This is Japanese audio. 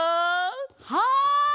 はい！